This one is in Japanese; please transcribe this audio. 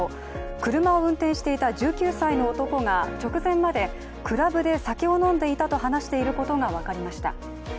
車を運転していた１９歳の男が直前までクラブで酒を飲んでいたと話していることが分かりました。